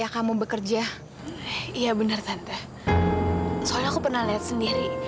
soalnya aku pernah lihat sendiri